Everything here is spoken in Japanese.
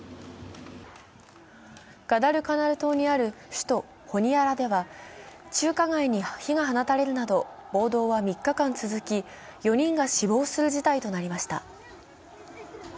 ガダルカナル島にある首都ホニアラでは中華街に火が放たれるなど、暴動は３日間続き、４人が死亡する事態となりました。